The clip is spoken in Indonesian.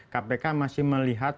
kpk masih melihat